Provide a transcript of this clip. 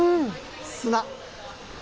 砂。